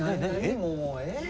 もうえっ？